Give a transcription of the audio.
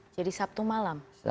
jadi sabtu malam